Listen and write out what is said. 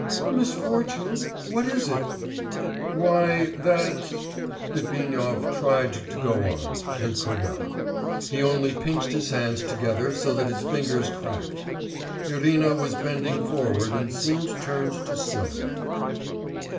'A misfortune? What is it?' 'Why ... that ' Litvinov tried to go on ... and could not. He only pinched his hands together so that his fingers cracked. Irina was bending forward and seemed turned to stone.